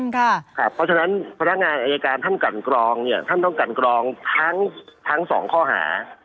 เพราะฉะนั้นพนักงานอายการท่านกันกรองเนี่ยท่านต้องกันกรองทั้งสองข้อหา